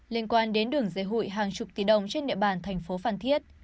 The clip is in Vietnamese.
liên quan đến đường dây hụi hàng chục tỷ đồng trên địa bàn thành phố phan thiết